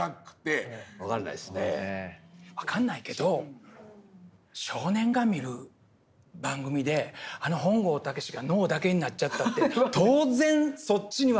分かんないけど少年が見る番組であの本郷猛が脳だけになっちゃったって当然そっちにはそぐえないですよね。